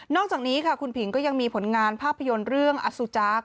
อกจากนี้ค่ะคุณผิงก็ยังมีผลงานภาพยนตร์เรื่องอสุจักร